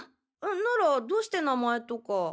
ならどうして名前とか？